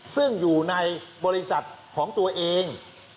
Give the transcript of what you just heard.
ซึ่งอยู่ในบริษัทของตัวเอง